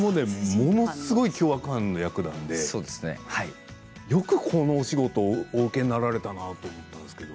ものすごい凶悪犯役なのでよくこのお仕事をお受けになられたなと思ったんですけど。